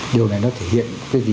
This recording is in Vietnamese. điều này nó thể hiện cái gì